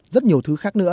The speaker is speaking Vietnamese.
rất nhiều thứ khác nữa